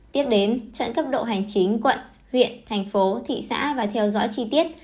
tiếp đến chọn cấp độ hành chính quận huyện thành phố thị xã và theo dõi chi tiết